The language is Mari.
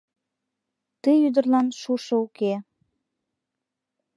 Ты ӱдырлан шушо уке.